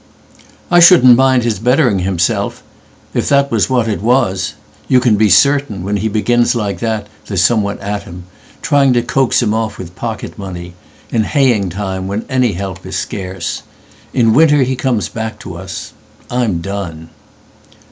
'I shouldn't mind his bettering himselfIf that was what it was. You can be certain, When he begins like that, there's someone at himTrying to coax him off with pocket money,—In haying time, when any help is scarce.In winter he comes back to us. I'm done."